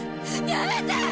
やめて！！